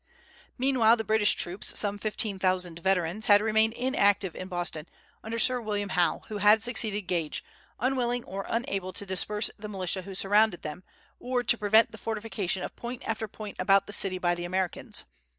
Meanwhile the British troops, some fifteen thousand veterans, had remained inactive in Boston, under Sir William Howe, who had succeeded Gage, unwilling or unable to disperse the militia who surrounded them, or to prevent the fortification of point after point about the city by the Americans.